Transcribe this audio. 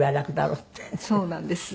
そうなんです。